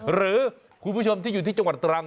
หรือคุณผู้ชมที่อยู่ที่จังหวัดตรัง